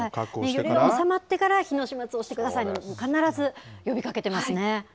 揺れが収まってから、火の始末をしてくださいなど、必ず呼びかけてますね。